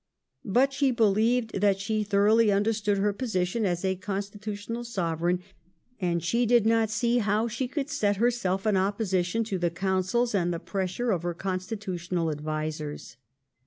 But she believed that she thoroughly understood her position as a constitutional Sovereign, and she did not see how she could set her self in opposition to the counsels and the pressure of her constitutional advisers.